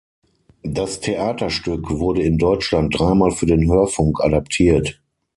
Das Theaterstück wurde in Deutschland dreimal für den Hörfunk adaptiert.